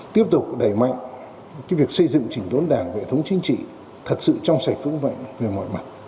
tiếp tục đẩy mạnh việc xây dựng chỉnh đốn đảng vệ thống chính trị thật sự trong sạch vững mạnh về mọi mặt